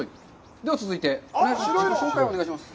では、続いて、自己紹介お願いします。